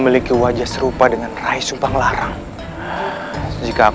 maaf aku harus pulang ayahku mencemaskanku